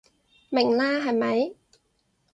明啦係咪？